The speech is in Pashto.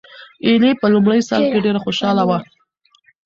ایلي په لومړي سر کې ډېره خوشحاله وه.